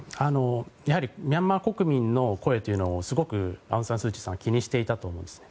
やはりミャンマー国民の声というのをすごくアウンサンスーチーさんは気にしていたと思うんですね。